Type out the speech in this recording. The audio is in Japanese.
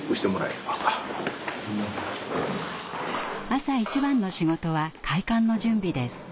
朝一番の仕事は開館の準備です。